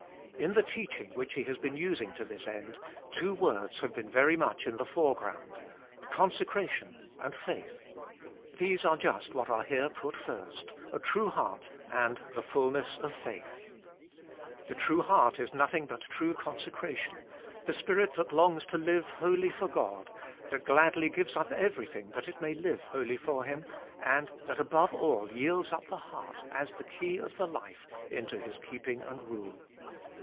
In the teaching which He has been using to this end, two words have been very much in the foreground — Consecration and Faith. These are just what are here put first — a true heart and the fulness of faith. The true heart is nothing but true consecration, the spirit that longs to live wholly for God, that gladly gives up everything that it may live wholly for Him, and that above all yields up the heart, as the key of the life, into His keeping and rule.